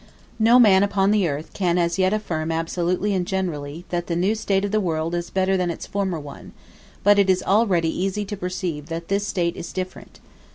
No man, upon the earth, can as yet affirm absolutely and generally, that the new state of the world is better than its former one; but it is already easy to perceive that this state is different.